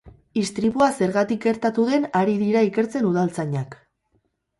Istripua zergatik gertatu den ari dira ikertzen udaltzainak.